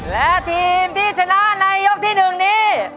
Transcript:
และทีมที่ชนะในยกที่๑นี้